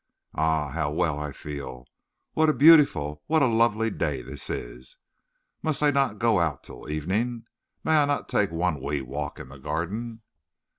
Ah, how well I feel! What a beautiful what a lovely day this is! Must I not go out till evening? May I not take one wee walk in the garden?"